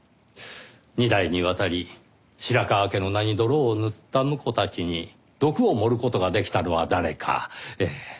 ２代にわたり白河家の名に泥を塗った婿たちに毒を盛る事ができたのは誰かええ。